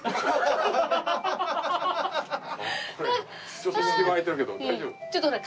ちょっと隙間空いてるけど大丈夫？